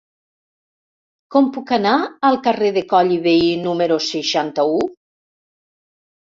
Com puc anar al carrer de Coll i Vehí número seixanta-u?